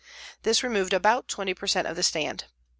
This removed about 20 per cent of the stand.